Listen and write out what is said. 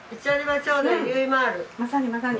まさにまさに。